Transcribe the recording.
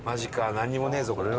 なんにもねえぞこれ。